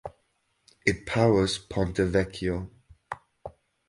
It powers Ponte Vecchio.